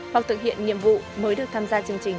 hoặc thực hiện nhiệm vụ mới được tham gia chương trình